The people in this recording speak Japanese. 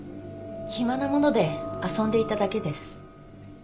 暇なもので遊んでいただけです。